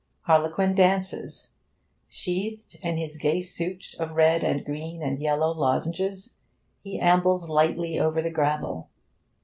Harlequin dances. Sheathed in his gay suit of red and green and yellow lozenges, he ambles lightly over the gravel.